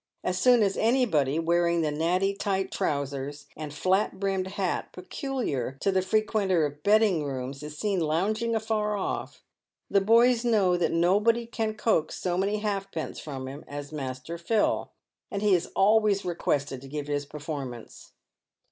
As soon as anybody wearing the natty tight trousers and flat brimmed hat peculiar to frequenters of betting rooms is seen lounging afar off, the boys know that nobody can coax so many halfpence from him PAYED WITH GOLD. 103 as Master Phil, and lie is always requested to give his performance.